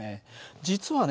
実はね